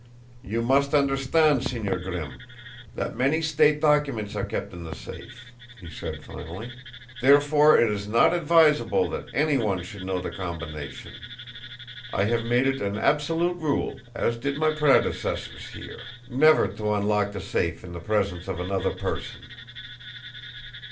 "You must understand, Señor Grimm, that many state documents are kept in the safe," he said finally, "therefore it is not advisable that any one should know the combination. I have made it an absolute rule, as did my predecessors here, never to unlock the safe in the presence of another person."